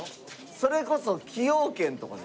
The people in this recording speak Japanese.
それこそ崎陽軒とかね。